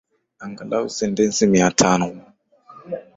Angalau sentesi mia tano